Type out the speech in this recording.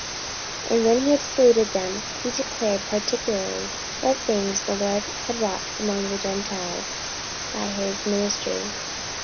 44:021:019 And when he had saluted them, he declared particularly what things God had wrought among the Gentiles by his ministry.